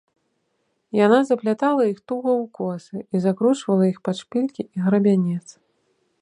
Яна заплятала іх туга ў косы і закручвала іх пад шпількі і грабянец.